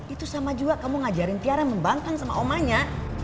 itu sama juga kamu ngajarin tiara membangkang sama omanya